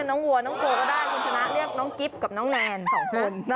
คุณชนะเรียกน้องกิ๊บกับน้องแนน๒คนนะ